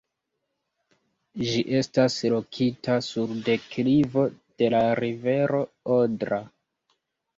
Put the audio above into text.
Ĝi estas lokita sur deklivo de la rivero Odra.